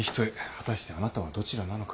果たしてあなたはどちらなのか。